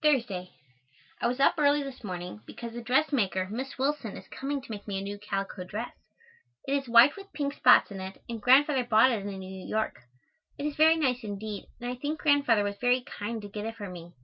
Thursday. I was up early this morning because a dressmaker, Miss Willson, is coming to make me a new calico dress. It is white with pink spots in it and Grandfather bought it in New York. It is very nice indeed and I think Grandfather was very kind to get it for me.